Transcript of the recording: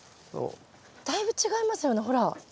だいぶ違いますよねほら。